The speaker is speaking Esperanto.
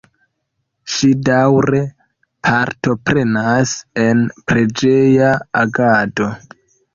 Ŝi daŭre partoprenas en preĝeja agado.